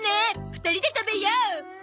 ２人で食べよう！